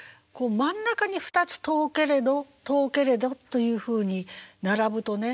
真ん中に２つ「とほけれどとほけれど」というふうに並ぶとね